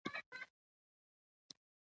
کروندګر د خاورې په مینه کې ژوند کوي